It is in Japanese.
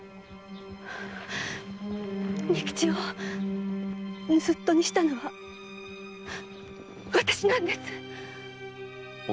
仁吉を盗っ人にしたのは私なんです！